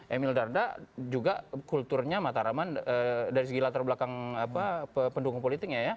emil dardak juga kulturnya mataraman dari segi latar belakang pendukung politiknya ya